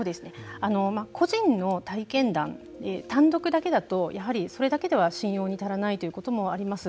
個人の体験談単独だけだとやはりそれだけでは信用に足らないということもあります